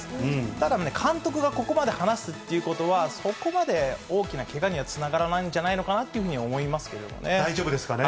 ただね、監督がここまで話すっていうことは、そこまで大きなけがにはつながらないんじゃないのか大丈夫ですかね。